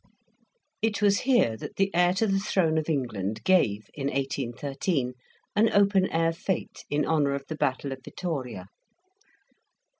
It was here that the heir to the throne of England gave, in 1813, an open air fete, in honour of the battle of Vittoria.